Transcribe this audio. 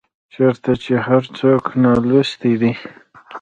چيرته چي هر څوک نالوستي دي